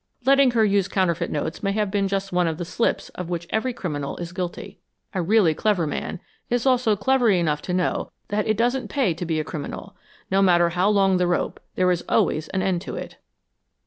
Letting her use counterfeit notes may have been just one of the slips of which every criminal is guilty. A really clever man is also clever enough to know that it doesn't pay to be a criminal. No matter how long the rope, there is always an end to it."